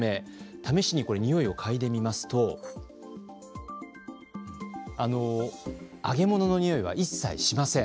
試しに、においをかいでみますと揚げ物のにおいは一切しません。